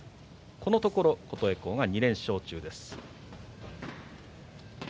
このところ琴恵光が２連勝中です。